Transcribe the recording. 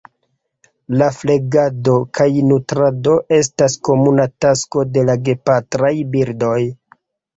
La flegado kaj nutrado estas komuna tasko de la gepatraj birdoj.